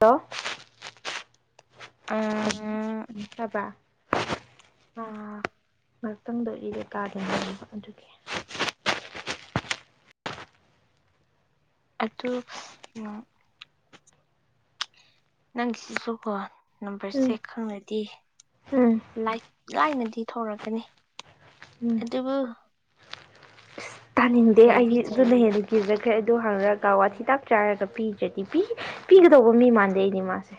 ꯇꯣ ꯑ [unintelligible] ꯑ ꯉꯥꯏꯍꯥꯛꯇꯪꯗꯔ ꯀꯥꯗꯅꯕ ꯑꯗꯨꯒꯤ ꯑꯣ ꯅꯪꯁꯤꯁꯨ ꯀꯣ ꯎꯝ ꯅꯝꯕꯔꯁꯦ ꯈꯪꯅꯗꯤ ꯎꯝ ꯂꯥꯏꯛ ꯂꯥꯏꯅꯗꯤ ꯊꯔꯛꯀꯅꯤ ꯎꯝ ꯑꯗꯕꯨ ꯇꯥꯅꯤꯡꯗꯦ ꯑꯩ ꯑꯗꯨ ꯂꯩꯕꯤꯗ꯭ꯔꯤ ꯂꯩ ꯑꯗꯨꯒꯤ ꯐꯩ ꯑꯗꯨ ꯍꯪꯉꯒ ꯋꯥꯊꯤꯗꯥꯛ ꯆꯥꯔꯒ ꯄꯤꯗ꯭ꯔꯗꯤ ꯄꯤ ꯄꯤꯒꯗꯧꯕ ꯃꯤ ꯃꯥꯟꯗꯩꯅꯦ ꯃꯥꯁꯦ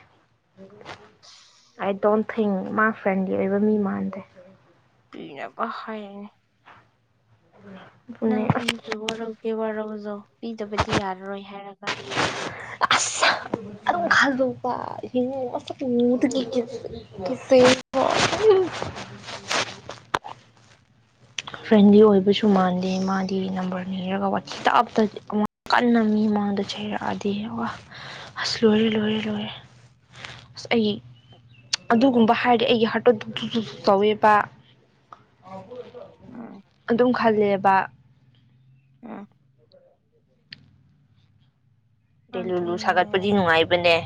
[unintelligible] ꯑꯥꯏ ꯗꯣꯟ ꯊꯤꯡ ꯃꯥ ꯐ꯭ꯔꯦꯟꯂꯤ ꯑꯣꯏꯕ ꯃꯤ ꯃꯥꯟꯗꯦ ꯄꯅꯅꯕ ꯍꯥꯏꯅ ꯑꯗꯨꯅꯦ ꯅꯪ ꯑꯩꯕꯨ ꯋꯥꯔꯧꯒꯦ ꯋꯥꯔꯧꯖꯣ ꯄꯤꯗꯕꯗꯤ ꯌꯥꯔꯔꯣꯏ ꯍꯥꯏꯔꯒ ꯕ ꯑꯁ ꯑꯗꯨꯝ ꯈꯜꯂꯨꯕ [unintelligible] ꯐ꯭ꯔꯦꯟꯂꯤ ꯑꯣꯏꯕꯁꯨ ꯃꯥꯟꯗꯦ ꯃꯥꯗꯤ ꯅꯝꯕꯔꯅꯤꯔꯒ ꯋꯥꯆꯦꯞꯇ ꯑꯃꯨꯛ ꯀꯟꯅ ꯃꯤ ꯃꯥꯡꯗ ꯆꯩꯔꯛꯑꯗꯤ ꯋꯥ ꯑꯁ ꯂꯣꯏꯔꯦ ꯂꯣꯏꯔꯦ ꯂꯣꯏꯔꯦ ꯑꯁ ꯑꯩ ꯑꯗꯨꯒꯨꯝꯕ ꯍꯥꯏꯗꯤ ꯑꯩꯒꯤ ꯍꯥꯔꯠꯇꯣ ꯗꯨꯛ ꯗꯨꯛ ꯗꯨꯛ ꯗꯨꯛ ꯇꯧꯋꯦꯕ ꯎꯝ ꯑꯗꯨꯝ ꯈꯜꯂꯦꯕ ꯎꯝ ꯗꯦꯂꯨꯂꯨ ꯑꯗꯨꯅꯦ ꯁꯥꯒꯠꯄꯗꯤ ꯅꯨꯡꯉꯥꯏꯕꯅꯦ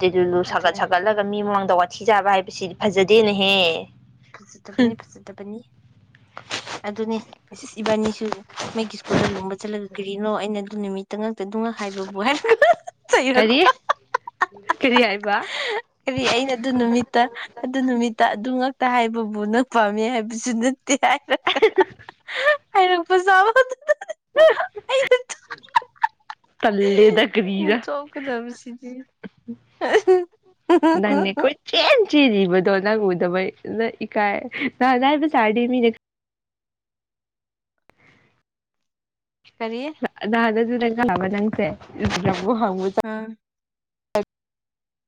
ꯗꯦꯂꯨꯂꯨ ꯁꯥꯒꯠ ꯑꯗꯨꯅꯦ ꯁꯥꯒꯠꯂꯒ ꯃꯤ ꯃꯃꯥꯡꯗ ꯋꯥ ꯊꯤ ꯆꯥꯕ ꯍꯥꯏꯕꯁꯤꯗꯤ ꯐꯖꯗꯦ ꯅꯍꯦ ꯐꯖꯗꯕꯅꯤ ꯐꯖꯗꯕꯅꯤ ꯑꯗꯨꯅꯦ ꯏꯁ ꯏꯁ ꯏꯕꯥꯅꯤꯁꯨ ꯃꯦꯛꯒꯤ ꯁ꯭ꯀꯨꯜꯗ ꯂꯨꯝꯕ ꯆꯠꯂꯒ ꯀꯔꯤꯅꯣ ꯑꯩꯅ ꯅꯨꯃꯤꯠ ꯈꯤꯇꯪ ꯉꯛꯇꯗꯨꯉ ꯍꯥꯏꯕꯕꯨ ꯍꯥꯏꯔ ꯀꯔꯤ ꯆꯩꯔꯀꯄ ꯀꯔꯤ ꯍꯥꯏꯕ ꯀꯔꯤ ꯑꯩꯅ ꯑꯗꯨ ꯅꯨꯃꯤꯠꯇ ꯑꯗꯨ ꯅꯨꯃꯤꯠꯇ ꯑꯗꯨ ꯇ ꯍꯥꯏꯕꯕꯨ ꯅꯪ ꯄꯥꯝꯃꯦ ꯍꯥꯏꯕꯁꯨ ꯅꯠ ꯇꯦ ꯍꯥꯏꯔꯒ ꯍꯥꯏꯩꯔꯛꯄ ꯁꯥꯕꯗꯨꯗ ꯇꯜꯂꯦꯗ ꯀꯔꯤꯔ ꯅꯣꯛꯀꯗꯕꯁꯤꯗꯤ ꯅꯪꯅꯦ ꯀꯣꯏ ꯆꯦꯟ ꯆꯦꯔꯤꯕꯗꯣ ꯅꯪ ꯎꯗꯕꯩ ꯅꯪ ꯏꯀꯥꯏ ꯅꯍꯥꯟ ꯅꯪꯅ ꯁꯥꯔꯗꯤ ꯃꯤꯅ ꯀꯔꯤ ꯗꯥꯗ ꯗꯨ ꯆꯪꯁꯜꯂꯕ ꯅꯪꯁꯦ ꯋꯥ ꯍꯪꯕ ꯎꯝ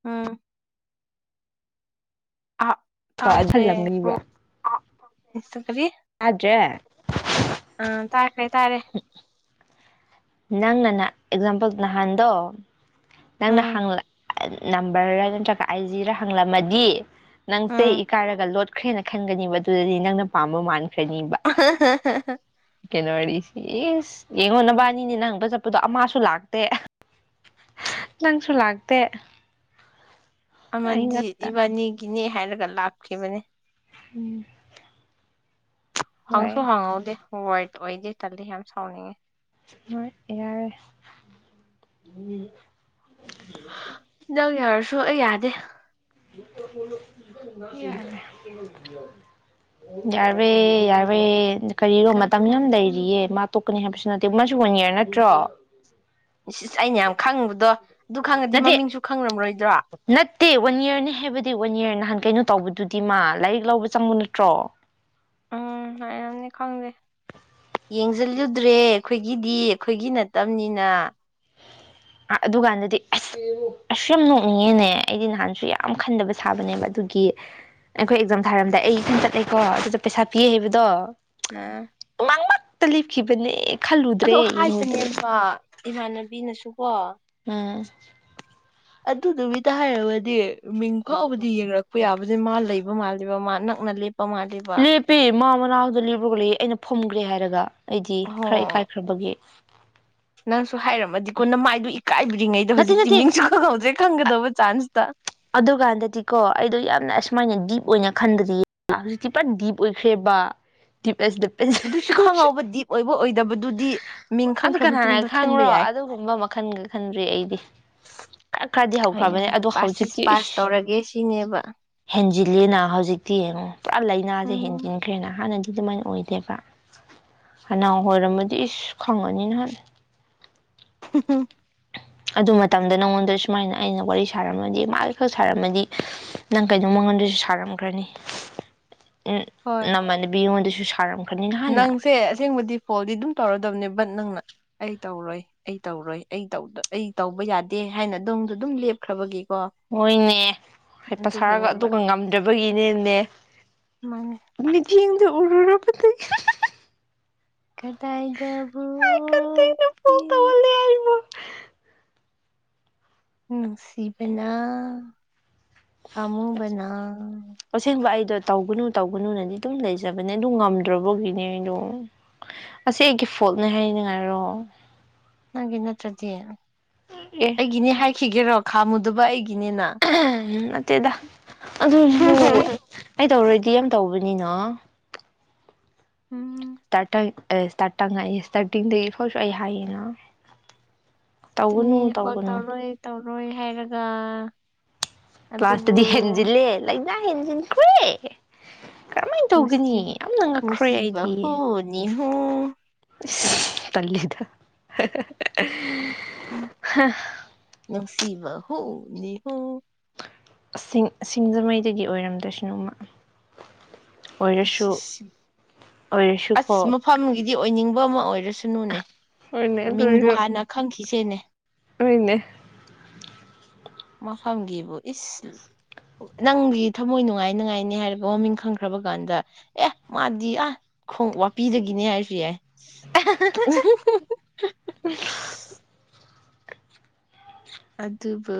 ꯎꯝ ꯑ ꯇꯥꯗ꯭ꯔꯦ ꯍꯜꯂꯝꯒꯅꯤꯗ ꯑꯥꯗ꯭ꯔꯦ ꯑ ꯇꯥꯏ ꯇꯥꯏ ꯇꯥꯔꯦ ꯅꯪ ꯅꯅ ꯑꯦꯛꯖꯥꯝꯄꯜ ꯅꯍꯥꯟꯗꯣ ꯅꯪꯅ ꯎꯝ ꯍꯥꯡꯂ ꯅꯝꯕꯔ ꯔ ꯅꯠꯇ꯭ꯔꯒ ꯑꯥꯏ ꯖꯤꯔ ꯍꯪꯂꯝꯃꯗꯤ ꯅꯪꯁꯦ ꯎꯝ ꯏ ꯀꯥꯏꯔꯒ ꯂꯣꯠ ꯈ꯭ꯔꯦꯅ ꯈꯟꯒꯅꯤꯕ ꯑꯗꯨꯗꯗꯤ ꯅꯪꯅ ꯄꯥꯝꯕ ꯃꯥꯥꯟ [inaudible] ꯀꯩꯅꫭ ꯋꯥꯔꯤꯁꯤ ꯏꯁ ꯌꯦꯡꯉꯣ ꯎꯝ ꯅꯕꯥꯟꯅꯤꯅ ꯅꯪꯇ ꯕꯆꯞ ꯑꯗꯣ ꯑꯃꯁꯨ ꯂꯥꯛꯇꯦ ꯅꯪꯁꯨ ꯂꯥꯛꯇꯦ ꯑꯩ ꯑꯃꯗꯤꯗꯤ ꯉꯛꯇ ꯏꯕꯥꯅꯤꯒꯤꯅꯦ ꯍꯦꯟꯒ ꯂꯥꯛꯈꯤ ꯃꯅꯦ ꯎꯝ ꯍꯪꯁꯨ ꯍꯣꯏ ꯍꯪꯉꯗꯦ ꯋꯥꯏꯠ ꯑꯣꯏꯗꯦ ꯇꯜꯂꯤ ꯌꯥꯝ ꯁꯥꯎꯅꯤꯡꯉꯦ ꯃ ꯏꯌꯥꯔ ꯅꯪ ꯌꯥꯔꯁꯨ ꯑꯩ ꯌꯥꯗꯦ ꯌꯥꯕ ꯌꯥꯕ ꯀꯔꯤꯅꯣ ꯃꯇꯝ ꯌꯥꯝ ꯀꯗꯥꯏꯗꯅꯣ ꯂꯩꯔꯤꯌꯦ ꯃꯥꯣꯛ ꯅꯤ ꯍꯥꯏꯕꯁꯨ ꯅꯠꯇꯦ ꯃꯥꯁꯨ ꯋꯥꯟ ꯌꯥꯌꯥꯔ ꯅꯠꯇ꯭ꯔꯣ ꯁꯤꯁ ꯑꯩꯅ ꯌꯥꯝ ꯈꯪꯉꯨꯕꯗꯣ ꯑꯗꯨ ꯈꯪꯉꯗꯤ ꯅꯠꯇꯦ ꯃꯃꯤꯡꯁꯨ ꯈꯪꯉꯝꯔꯣꯏ ꯅꯠꯇꯦ ꯋꯥꯟ ꯏꯔꯅꯦ ꯍꯥꯏꯕꯗꯤ ꯋꯥꯟ ꯏꯔ ꯅꯍꯥꯟ ꯀꯩꯅꯣ ꯇꯧꯕꯗꯨꯗꯤ ꯃꯥ ꯂꯥꯏꯔꯤꯛ ꯂꯧꯕ ꯆꯪꯉꯨ ꯅꯠꯇ꯭ꯔꯣ ꯎꯝ ꯍꯥꯏꯗꯤ ꯈꯪꯗꯦ ꯌꯦꯡꯁꯤꯜꯂꯨꯗ꯭ꯔꯦ ꯑꯩꯈꯣꯏꯒꯤꯗꯤ ꯑꯩꯈꯣꯏꯒꯤ ꯅꯠꯇꯕꯅꯤꯅ ꯑꯗꯨꯀꯥꯟꯗꯗꯤ ꯑꯁ ꯑꯁꯁꯨ ꯌꯥꯝ ꯅꯣꯛꯅꯤꯡꯉꯦꯅꯦ ꯑꯩꯗꯤ ꯅꯍꯥꯟꯁꯨ ꯌꯥꯝ ꯈꯟꯗꯕ ꯁꯥꯕꯅꯦꯕ ꯑꯗꯨꯒꯤ ꯑꯩꯈꯣꯏ ꯑꯦꯛꯖꯥꯝ ꯊꯥꯔꯝꯗꯥꯏ ꯑꯩ ꯏꯈꯤ ꯆꯠꯂꯦꯀꯣ ꯑꯗꯨꯗ ꯄꯩꯁꯥ ꯄꯤ ꯍꯥꯏꯕꯗꯣ ꯑꯝ ꯂꯦꯞꯈꯤꯕꯅꯦ ꯈꯜꯂꯨꯗ꯭ꯔꯦ ꯌꯦꯡꯉꯨꯗ꯭ꯔꯦ ꯏꯃꯥꯟꯅꯕꯤꯅꯁꯨ ꯀꯣ ꯑ ꯑꯗꯨꯗꯨꯕꯤꯇ ꯍꯥꯏꯔꯕꯗꯤ ꯃꯤꯡ ꯐꯥꯎꯕꯗꯤ ꯌꯦꯡꯉꯛꯄ ꯌꯥꯕ ꯃꯥ ꯂꯩꯕ ꯃꯥꯜꯂꯤꯕ ꯃꯥ ꯅꯛꯅꯞ ꯂꯦꯄꯤ ꯃꯥꯃ ꯍꯔꯥꯎꯗ ꯂꯤꯕꯒ ꯂꯩ ꯑꯩꯅ ꯐꯨꯝꯈ꯭ꯔꯦ ꯍꯥꯏꯔꯒ ꯑꯩꯗꯤ ꯍꯣ ꯈꯔ ꯏꯀꯥꯏꯈ꯭ꯔꯕꯒꯤ ꯅꯪꯁꯨ ꯍꯥꯏꯔꯝꯃꯗꯤꯀꯣ ꯅꯃꯥꯏꯗꯨ ꯀꯥꯏꯕꯤ꯭ꯔꯤꯉꯩꯗ ꯅꯠꯇꯦ ꯍꯧꯖꯤꯛꯇꯤ ꯅꯠꯇꯦ ꯃꯤꯡꯁꯨ ꯈꯪꯉꯧꯖꯤ ꯈꯪꯒꯗꯕ ꯆꯥꯟꯁꯇ ꯑꯗꯨꯀꯥꯟꯗꯗꯤꯀꯣ ꯑꯩꯗꯣ ꯌꯥꯝꯅ ꯑꯁꯨꯃꯥꯏꯅ ꯗꯤꯞ ꯑꯣꯏꯅ ꯈꯟꯗꯗꯤ ꯍꯧꯖꯤꯛꯇꯤ ꯄꯨꯔꯥ ꯗꯤꯞ ꯑꯣꯏꯈ꯭ꯔꯦꯕ ꯑꯗꯨꯁꯨ ꯈꯪꯍꯧꯕ ꯗꯤꯞ ꯑꯣꯏꯕ ꯑꯣꯏꯗꯕꯗꯨꯗꯤ ꯃꯤꯡ ꯑꯗꯨ ꯈꯪꯈ꯭ꯔ ꯀꯅꯥꯅ ꯃꯇꯨꯡꯗ ꯈꯟꯕ ꯈꯪꯉ꯭ꯔꯣ ꯌꯥꯏ ꯑꯗꯨꯒꯨꯝꯕ ꯃꯈꯜꯒ ꯈꯟꯗ꯭ꯔꯤ ꯑꯩꯗꯤ ꯈꯔ ꯈꯔꯗꯤ ꯍꯣꯏꯅꯦ ꯍꯧꯈ꯭ꯔꯕꯅꯦ ꯍꯣꯏꯅꯦ ꯑꯗꯨ ꯄꯥꯁꯁꯤ ꯍꯧꯖꯤꯛꯇꯤꯁ ꯄꯥꯁ ꯇꯧꯔꯒꯦ ꯁꯤꯅꯦꯕ ꯍꯦꯟꯖꯤꯂꯦꯅ ꯍꯧꯖꯤꯛꯇꯤ ꯌꯦꯡꯉꯛ ꯄꯨꯔꯥ ꯂꯥꯏꯅꯥꯁꯦ ꯎꯝ ꯍꯦꯟꯖꯤꯟꯈ꯭ꯔꯦꯅ ꯍꯥꯟꯅꯗꯤ ꯑꯗꯨ ꯑꯗꯨꯃꯥꯏꯅ ꯑꯣꯏꯗꯦꯕ ꯍꯅꯥ ꯑꯣꯏꯔꯝꯃꯗꯤ ꯏꯁ ꯈꯪꯉꯅꯤꯅ ꯈ [unintelligible] ꯑꯗꯨ ꯃꯇꯝꯗ ꯅꯪꯉꯣꯟꯗ ꯁꯨꯃꯥꯏꯅ ꯑꯩꯅ ꯋꯥꯔꯤ ꯁꯥꯔꯝꯃꯗꯤ ꯃꯥ ꯈꯛ ꯁꯥꯔꯝꯃꯗꯤ ꯅꯪ ꯀꯩꯅꯣ ꯃꯉꯣꯟꯗꯁꯨ ꯁꯥꯔꯝꯈ꯭ꯔꯅꯤ ꯎꯝ ꯍꯣꯏ ꯅ ꯃꯅꯦ ꯤ ꯁꯤ ꯁꯥꯔꯝꯃꯤ ꯅꯪꯁꯦ ꯑꯁꯦꯡꯕꯗꯤ ꯐꯣꯜꯗꯤ ꯑꯗꯨꯝ ꯇꯧꯔꯗꯕꯅꯦ ꯕꯠ ꯅꯪꯅ ꯑꯩ ꯇꯧꯔꯣꯏ ꯑꯩ ꯇꯧꯔꯣꯏ ꯑꯩ ꯑꯩ ꯇꯧꯕ ꯌꯥꯗꯦ ꯍꯥꯏꯅ ꯑꯗꯨꯝꯗ ꯑꯗꯨꯝ ꯂꯦꯞꯈ꯭ꯔꯕꯒꯦ ꯃꯣꯏꯅꯦ ꯍꯥꯏꯐꯠ ꯁꯥꯔꯒ ꯑꯗꯨꯒꯤꯅꯦꯕ ꯑꯗꯨꯒ ꯉꯝꯗꯕꯒꯤꯅꯦꯅꯦ ꯃꯥꯅꯦ ꯎꯔꯔꯄꯗꯤ ꯀꯗꯥꯏꯗꯕꯣ ꯀꯟꯇꯦꯛꯅ ꯐꯣꯜ ꯇꯧꯍꯜꯂꯦ ꯑꯩꯕꯨ ꯅꯨꯡꯁꯤꯕꯅ ꯑꯃꯨꯕꯅꯥ ꯑꯁꯦꯡꯕ ꯑꯩꯗꯣ ꯇꯧꯒꯅꯨ ꯇꯧꯒꯅꯨꯅꯗꯤ ꯑꯗꯨꯝ ꯂꯩꯖꯕꯅꯦ ꯑꯗꯨ ꯉꯝꯗ꯭ꯔꯕꯒꯤꯅꯦ ꯑꯩꯗꯣ ꯑꯁꯤꯁ ꯑꯩꯒꯤ ꯐꯣꯜꯠꯅꯦ ꯍꯥꯏꯅꯤꯡꯉꯥꯏꯔꯣ ꯅꯪꯒꯤ ꯅꯠꯇ꯭ꯔꯗꯤ ꯑꯦ ꯑꯩꯒꯤꯅꯦ ꯍꯥꯏꯈꯤꯒꯦꯔꯣ ꯈꯝꯨꯗꯕ ꯑꯩ ꯅꯠꯇꯦꯗ ꯑꯗꯨꯕꯨ ꯑꯩ ꯇꯧꯔꯣꯏꯗꯤ ꯁꯤ ꯌꯥꯝ ꯇꯧꯕꯅꯤꯅ ꯎꯝ ꯏꯁꯇꯥꯇꯇꯥꯇ ꯏꯁꯇꯥꯔꯇꯤꯡꯗꯒꯤ ꯐꯔꯁꯨ ꯑꯩ ꯍꯥꯏꯌꯦꯅ ꯇꯧꯒꯅꯨ ꯑꯗꯨꯅꯦ ꯐꯣ ꯇꯧꯒꯅꯨ ꯇꯧꯔꯣꯏ ꯇꯧꯔꯣꯏ ꯍꯥꯏꯔꯒ ꯂꯇꯗꯤ ꯑꯗꯨꯕꯨ ꯍꯟꯖꯂꯦ ꯅ ꯍꯤꯟꯁꯤꯤꯟ ꯈꯏꯦ ꯀꯔꯍꯥꯏꯅ ꯇꯧꯒꯅꯤ ꯅꯨꯡꯁꯤ ꯌꯥꯝꯅꯪ ꯉꯛꯈ꯭ꯔꯣꯏ ꯑꯩꯗꯤ ꯑꯣ ꯇꯜꯂꯤꯗ ꯅꯨꯡꯁꯤꯕ ꯍ ꯃꯤꯅꯤ ꯍꯣ ꯁꯤꯡ ꯁꯤꯡꯖꯃꯩꯗꯒꯤ ꯑꯣꯏꯔꯝꯗꯁꯅꯨꯃ ꯑ ꯑꯣꯏꯔꯁꯨꯀꯣ ꯑꯁ ꯃꯐꯝꯒꯤꯗꯤ ꯑꯣꯏꯅꯤꯡꯕ ꯑꯃ ꯑꯣꯏꯔꯦ ꯁꯅꯨꯅꯦ ꯍꯣꯏꯅꯦ ꯑꯗꯨ ꯃꯤꯡꯗꯣ ꯑꯣꯏꯔꯁꯨ ꯍꯥꯟꯅ ꯈꯪꯈꯤꯁꯦꯅꯦ ꯍꯣꯏꯅꯦ ꯃꯐꯝꯒꯤꯕꯨ ꯏꯁ ꯅꯪꯒꯤ ꯊꯃꯣꯏ ꯅꯨꯡꯉꯥꯏ ꯉꯥꯏꯅꯦ ꯍꯥꯏꯔꯒ ꯃꯃꯤꯡ ꯈꯪꯈ꯭ꯔꯕ ꯀꯥꯟꯗ ꯑꯦ ꯃꯥꯗꯤ ꯑ ꯈꯣꯡ ꯋꯥꯄꯤꯗꯒꯤꯅꯦ ꯍꯥꯏꯔꯁꯨ ꯌꯥꯏ [unintelligible] ꯑꯗꯨꯕꯨ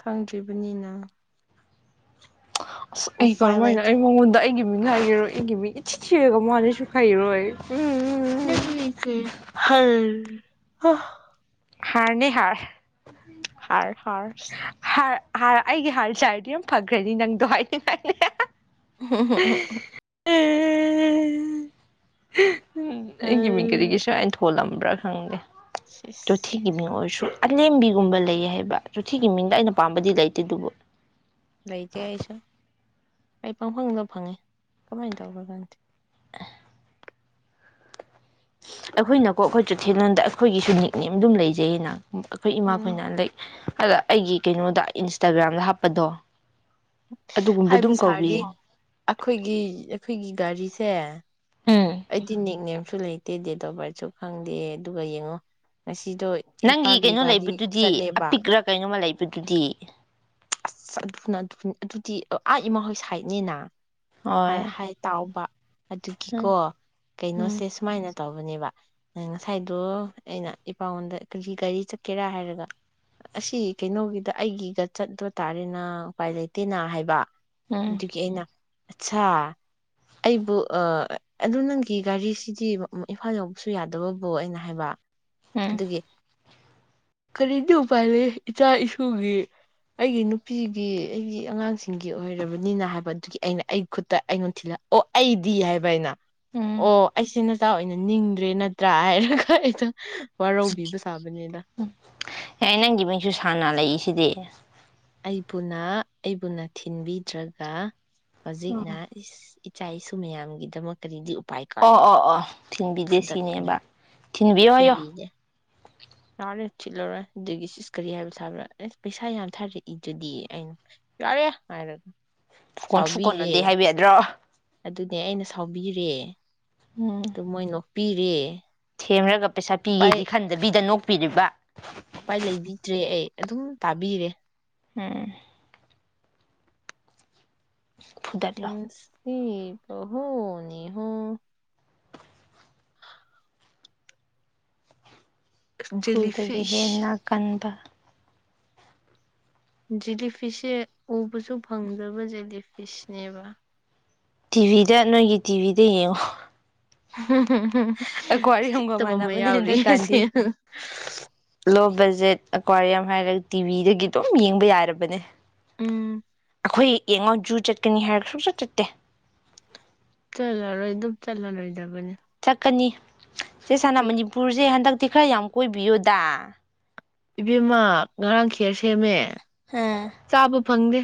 ꯈꯪꯗ꯭ꯔꯤꯕꯅꯤꯅ ꯑꯁ ꯑꯩ ꯎꯄꯥꯏ ꯀꯔꯝꯥꯏꯅ ꯂꯩꯇꯦ ꯑꯩ ꯃꯉꯣꯟꯗ ꯑꯩꯒꯤ ꯃꯤ ꯉꯥꯏꯈꯤꯦꯔꯣꯏ ꯏꯒꯤ ꯃꯤ ꯏꯊꯤ ꯊꯤꯑꯦꯒ ꯃꯥꯅꯁꯨꯨꯈꯥꯏꯔꯣꯏ ꯅꯪꯒꯤ ꯀ꯭ꯔꯤꯔꯥ ꯍꯜ ꯑ ꯍꯥꯥꯔꯅꯦ ꯍꯥꯔ ꯍꯥꯔ ꯍꯥꯔ ꯍꯥꯔ ꯍꯥꯔ ꯑꯩꯒꯤ ꯍꯥꯔ ꯆꯥꯔꯗꯤ ꯌꯥꯝ ꯐꯈ꯭ꯔꯅꯤ ꯅꯪꯗꯣ ꯍꯥꯏꯅꯤꯡꯉꯥꯏꯅꯦ ꯎꯝꯝ ꯑꯦ ꯑꯩꯒꯤꯃꯤꯡ ꯀꯔꯤꯒꯤ ꯎꯝ ꯁꯨꯃꯥꯏꯅ ꯊꫭꯜꯂꯝ ꯕ꯭ꯔꯥ ꯈꯪꯗꯦ ꯁꯤꯁ ꯆꫭꯊꯦꯒꯤ ꯃꯤꯡ ꯑꯣꯏꯔꯁꯨ ꯑꯂꯦꯝꯕꯤꯒꯨꯝꯕ ꯂꯩꯌꯦ ꯍꯥꯏꯕ ꯆꫭꯊꯦꯒꯤ ꯃꯤꯡꯗ ꯑꯩꯅ ꯄꯥꯝꯕꯗꯤ ꯂꯩꯇꯦ ꯑꯗꯨꯕꯨ ꯂꯩꯇꯦ ꯑꯩꯁꯨ ꯑꯩ ꯄꯪꯐꯪꯗ ꯐꯪꯉꯦ ꯀꯃꯥꯏꯅ ꯇꯧꯕ꯭ꯔꯥ ꯈꯪꯗꯦ ꯑꯩꯈꯣꯏꯅꯀꯣ ꯑꯩꯈꯣꯏ ꯆꫭꯊꯦꯂꫭꯟꯗ ꯑꯩꯈꯣꯏꯒꯤꯁꯨ ꯅꯤꯛꯅꯦꯝ ꯗꯨꯝ ꯂꯩꯖꯩꯌꯦꯅ ꯑꯩꯈꯣꯏ ꯎꯝ ꯏꯃꯥꯈꯣꯏꯅ ꯂꯩꯛ ꯑꯗ ꯑꯩꯒꯤ ꯀꯩꯅꯣꯗ ꯏꯟꯁꯇꯥꯒ꯭ꯔꯥꯝꯗ ꯍꯥꯞꯄꯗꯣ ꯑꯗꯨꯒꯨꯝꯕ ꯍꯥꯏꯕ ꯑꯗꯨꯝ ꯁꯥꯔꯤ ꯀꯧꯕꯤꯌꯦ ꯑꯩꯈꯣꯏꯒꯤ ꯑꯩꯈꯣꯏꯒꯤ ꯒꯥꯔꯤ ꯇꯦ ꯎꯝ ꯑꯩꯗꯤ ꯅꯤꯛꯅꯦꯝ ꯁꯨ ꯂꯩꯇꯦ ꯗꯦꯠ ꯑꫭꯕ ꯕꯥꯔꯠꯁꯨ ꯈꯪꯗꯦ ꯑꯗꯨꯒ ꯌꯦꯡꯉꯣ ꯉꯁꯤꯗꯣ ꯅꯪꯒꯤ ꯏꯄꯥꯒꯤ ꯀꯩꯅꯣ ꯒꯥꯔꯤ ꯂꯩꯕꯗꯨꯗꯤ ꯆꯠꯂꯦꯕ ꯑꯄꯤꯛꯔ ꯀꯩꯅꯣꯝꯃ ꯂꯩ ꯕꯗꯨꯗꯤ ꯑꯁ ꯑꯗꯨꯅ ꯑꯗꯨ ꯑꯗꯨꯗꯤ ꯑ ꯏꯃꯥꯍꯣꯏ ꯁꯥꯏꯠꯅꯤꯅ ꯍꯥꯏ ꯍꯣꯏ ꯍꯥꯏ ꯇꯥꯎꯕ ꯑꯗꯨꯒꯤꯀꯣ ꯎꯝ ꯎꯝ ꯀꯩꯅꯣꯁꯦ ꯁꯨꯃꯥꯏꯅ ꯇꯧꯕꯅꯦꯕ ꯉꯁꯥꯏꯗꯣ ꯑꯩꯅ ꯏꯄꯥꯥ ꯉꫭꯟꯗ ꯀꯔꯤꯒꯤ ꯒꯥꯔꯤ ꯆꯠꯀꯦꯔꯥ ꯍꯥꯏꯔꯒ ꯑꯁꯤ ꯀꯩꯅꯣꯒꯤꯗ ꯑꯩꯒꯤꯒ ꯆꯠ ꯇꯥꯔꯦꯅ ꯎꯄꯥꯏ ꯂꯩꯇꯦꯅ ꯍꯥꯏꯕ ꯎꯝ ꯑꯗꯨꯒꯤ ꯑꯩꯅ ꯑꯠꯁꯥ ꯑꯩꯕꯨ ꯑ ꯑꯗꯨ ꯅꯪꯒꯤ ꯒꯥꯔꯤꯁꯤꯗꯤ ꯏꯝꯐꯥꯜ ꯌꯧꯕꯁꯨ ꯌꯥꯗꯕꯕꯨ ꯑꯩꯅ ꯍꯥꯏꯕ ꯎꯝ ꯑꯗꯨꯒꯤ ꯀꯔꯤꯗꯤ ꯎꯄꯥꯏ ꯂꯩ ꯏꯆꯥ ꯏꯁꯨꯒꯤ ꯑꯩꯒꯤ ꯅꯨꯄꯤꯒꯤ ꯑꯩꯒꯤ ꯑꯉꯥꯡꯁꯤꯡꯒꯤ ꯑꯣꯏꯔꯕꯅꯤꯅ ꯍꯥꯏꯕ ꯑꯗꯨꯒꯤ ꯑꯩꯅ ꯑꯩ ꯈꯨꯠꯇ ꯑꯩꯉꯣꯟ ꯊꯤꯜꯂꯛ ꯑꯣ ꯑꯩꯗꯤ ꯍꯥꯏꯕ ꯑꯩꯅ ꯎꯝ ꯑꯣ ꯑꯩꯁꯤꯅ ꯇꯥ ꯑꯣꯏꯅ ꯅꯤꯡꯗ꯭ꯔꯦ ꯅꯠꯇ꯭ꯔꯥ ꯍꯥꯏꯔꯒ ꯑꯩꯗ ꯑꯦ ꯅꯪꯒꯤ ꯃꯤꯡꯁꯨ ꯁꯥꯟꯅ ꯂꯩꯏꯁꯤꯗꯤ ꯑꯩꯕꯨꯅ ꯑꯩꯕꯨꯅ ꯊꯤꯟꯕꯤꯗ꯭ꯔꯒ ꯑꯣ ꯍꯧꯖꯤꯛꯅ ꯏꯁ ꯏꯆꯥ ꯏꯁꯨ ꯃꯌꯥꯝꯒꯤꯗꯃꯛ ꯀꯔꯤꯗꯤ ꯎꯄꯥꯏ ꯑꯣ ꯀꯥꯏꯅ ꯑꯣ ꯑꯣ ꯐꯨꯗꯠꯀꯅꯤ ꯐꯤꯟꯕꯤꯗꯦꯁꯤꯅꯦꯕ ꯊꯤꯟꯕꯤꯌꯨ ꯍꯥꯏꯌꯣ ꯌꯥꯎꯔꯦ ꯊꯤꯠꯂꯔꯣꯏ ꯑꯗꯨꯒꯤ ꯆꯤꯁ ꯀꯔꯤ ꯍꯥꯏꯕ ꯊꯥꯕꯥ ꯑꯁ ꯄꯩꯁꯥ ꯌꯥꯝ ꯊꯥꯔꯛꯏꯗꯨꯗꯤ ꯑꯩꯅ ꯌꯥꯔꯦ ꯍꯥꯏꯔꯒ ꯀꯣꯟꯁꯨ ꯁꯥꯎꯕꯤꯔꯦ ꯀꯣꯟꯅꯗꯦ ꯍꯥꯏꯕꯤ ꯌꯥꯗ꯭ꯔꯣ ꯑꯗꯨꯅꯦ ꯑꯩꯅ ꯁꯥꯎꯕꯤꯔꯦ ꯑꯗꯨ ꯃꯣꯏ ꯅꯣꯛꯄꯤꯔꯦ ꯀꯦꯃꯦꯒ ꯄꯩꯁꯥ ꯎꯄꯥꯏ ꯄꯤꯒꯦꯗꯤ ꯈꯟꯗꯕꯤꯗꯅꯣ ꯄꯤꯔꯤꯕ ꯎꯄꯥꯏ ꯂꯩꯕꯤꯗ꯭ꯔꯦ ꯑꯩ ꯑꯗꯨꯝ ꯇꯥꯕꯤꯔꯦ ꯎꯝ ꯎꯝ ꯐꯨꯗꯠꯂꯣ ꯅꯨꯪꯁꯤꯕꯥ ꯍꯨ ꯅꯤ ꯍꯨ [inaudible] [unintelligible] ꯈꯨꯔꯗꯒꯤ ꯖꯦꯂꯤꯐꯤꯁ ꯍꯦꯟꯅ ꯀꯟꯕ ꯖꯤꯂꯤ ꯐꯤꯁꯁꯦ ꯎꯕꯁꯨ ꯐꯪꯗꯕ ꯖꯤꯂꯤ ꯐꯤꯁꯅꯦꯕ ꯇꯤꯚꯤꯗ ꯅꯣꯏꯒꯤ ꯇꯤꯚꯤꯗ ꯌꯦꯡꯉꯣ ꯎꯝꯝꯝ ꯑꯦꯀ꯭ꯋꯥꯔꯤꯌꯝꯒ ꯏꯁꯤꯠꯇꯕ ꯑꯃ ꯃꯥꯟꯅꯕꯅꯦ ꯌꯥꯎꯔꯤꯁꯦ ꯍꯟꯗꯛꯀꯥꯟꯗꯤ ꯑꯩꯀ꯭ꯋꯥꯔꯤꯝ ꯍꯥꯏꯔꯒ ꯇꯤꯚꯤꯗꯒꯤ ꯑꯗꯨꯝ ꯌꯦꯡꯕ ꯌꯥꯔꯕꯅꯦ ꯎꯝ ꯑꯩꯈꯣꯏ ꯌꯦꯡꯉꯣ ꯖꯨ ꯆꯠꯀꯅꯤ ꯍꯥꯏꯔꯒ ꯁꯨꯡꯆꯠ ꯆꯠꯇꯦ ꯆꯂꯔꯣꯏ ꯑꯗꯨꯝ ꯆꯠꯂꯔꯣꯏꯗꯕꯅꯦ ꯀꯅꯤ ꯁꯦ ꯁꯅ ꯃꯅꯤꯄꯨꯔꯁꯦ ꯍꯟꯗꯛ ꯈꯔ ꯌꯥꯝ ꯀꯣꯏꯕꯤꯌꯨꯗ ꯏꯕꯦꯝꯃ ꯉꯔꯥꯡ ꯈꯦꯔ ꯁꯦꯝꯃꯦ ꯎꯝ ꯆꯥꯕ ꯐꯪꯗꯦ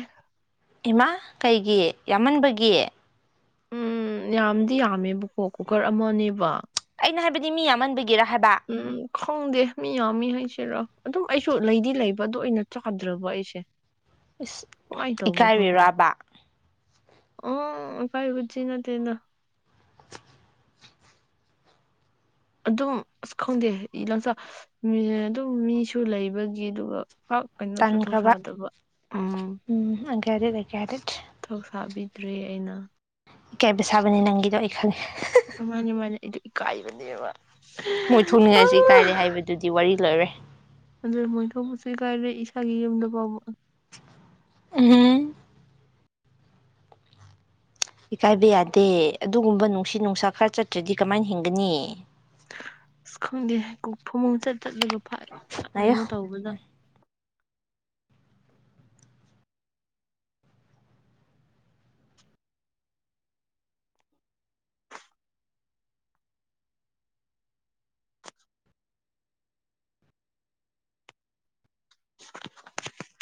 ꯏꯃꯥ ꯀꯩꯒꯤ ꯌꯥꯝꯃꯟꯕꯒꯤ ꯎꯝ ꯌꯥꯝꯗꯤ ꯌꯥꯝꯃꯦꯕꯀꯣ ꯀꯨꯀꯔ ꯑꯃꯅꯦꯕ ꯑꯩꯅ ꯍꯥꯏꯕꯗꯤ ꯃꯤ ꯌꯥꯝꯃꯟꯕꯒꯤꯔ ꯍꯥꯏꯕ ꯎꯝ ꯈꯡꯗꯦ ꯃꯤ ꯌꯥꯃꯤ ꯃꯤ ꯍꯥꯏꯁꯦꯔꯣ ꯑꯗꯨ ꯑꯩꯁꯨ ꯂꯩꯗꯤ ꯂꯩꯕ ꯑꯗꯨ ꯑꯣꯏꯅ ꯆꯥꯗ꯭ꯔꯕ ꯑꯩꯁꯦ ꯀꯃꯥꯏꯅ ꯇꯧꯕ꯭ꯔꯥ ꯈꯪꯗꯦ ꯏꯀꯥꯏꯕꯤꯔꯕ ꯑꯣ ꯀꯥꯏ ꯍꯧꯖꯤ ꯅ ꯇꯅ ꯑꯗꯨꯝ ꯑꯁ ꯈꯪꯗꯦ ꯂꯝꯆ ꯑꯗꯨꯝ ꯃꯤꯁꯨ ꯂꯩꯕꯒꯤ ꯑꯗꯨꯒ ꯀꯩꯅꯣꯁꯨ ꯇꯟꯈ꯭ꯔꯕ ꯊꯧꯁꯥꯗꯕ ꯎꯝ ꯎꯝ ꯑꯟꯒ꯭ꯔꯦꯗꯦꯠ ꯑꯟꯒ꯭ꯔꯦꯗꯦꯠ ꯊꯧꯁꯥꯕꯤ ꯇ꯭ꯔꯦ ꯑꯩꯅ ꯏ ꯀꯥꯏꯕ ꯁꯥꯕꯅꯤ ꯅꯪꯒꯤꯗꯣ ꯑꯩ ꯈꯜꯂꯤꯦ ꯃꯥꯅꯦ ꯃꯥꯅꯦ ꯏꯀꯥꯏꯕꯅꯦꯕ ꯃꯣꯏ ꯊꯣꯡꯅꯤꯡꯉꯥꯏꯁꯤ ꯏ ꯀꯥꯏꯔꯦ ꯍꯥꯏꯕꯗꯨꯗꯤ ꯋꯥꯔꯤ ꯂꯩꯔꯦ ꯑꯗꯨ ꯃꯣꯏ ꯊꯣꯛꯧꯕꯁꯨ ꯀꯥꯏꯔꯦ ꯏꯁꯥꯒꯤ ꯌꯨꯝꯗ ꯐꯥꯎꯕ ꯑꯦꯝ ꯏꯀꯥꯏꯕ ꯌꯥꯗꯦ ꯑꯗꯨꯒꯨꯝꯕ ꯅꯨꯡꯁꯤꯠ ꯅꯨꯡꯁꯥ ꯈꯔ ꯆꯠꯇ꯭ꯔꯗꯤ ꯀꯃꯥꯏꯅ ꯍꯤꯡꯒꯅꯤ ꯑꯁ ꯈꯪꯗꯦ ꯀꯣꯛ ꯐꯃ ꯆꯠ ꯆꯠꯂꯒ ꯐ ꯉꯥꯏꯌꯣ ꯀꯩꯅꯣ ꯇꯧꯕꯗ ꯎꯝ [inaudible] [unintelligible]